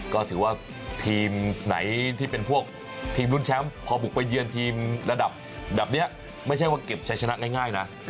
ก็ถือว่าทีมไหนที่เป็นพวกทีมรุ้นแชมป์พอบุกไปเยือนทีมระดับแบบนี้ไม่ใช่ว่าเก็บใช้ชนะง่ายนะ